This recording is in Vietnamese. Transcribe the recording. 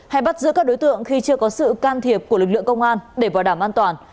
hãy bắt giữa các đối tượng khi chưa có sự can thiệp của lực lượng công an để vào đảm an toàn